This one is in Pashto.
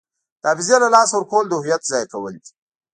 د حافظې له لاسه ورکول د هویت ضایع کول دي.